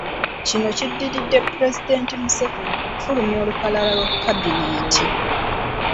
Kino kiddiridde Pulezidenti Museveni okufulumya olukalala lwa kabineeti.